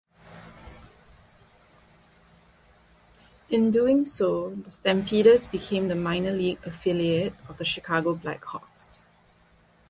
In doing so, the Stampeders became the minor-league affiliate of the Chicago Black Hawks.